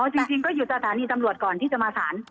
จริงก็อยู่สถานีตำรวจก่อนที่จะมาสาร